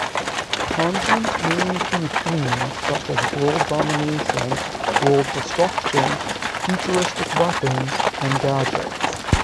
Content may include themes such as world domination, world destruction, futuristic weapons, and gadgets.